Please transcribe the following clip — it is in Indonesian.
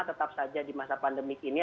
tetap saja di masa pandemi ini